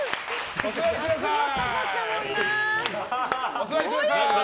お座りください！